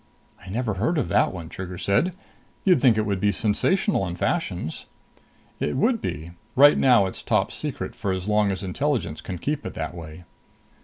"I never heard of that one," Trigger said. "You'd think it would be sensational in fashions." "It would be. Right now it's top secret for as long as Intelligence can keep it that way."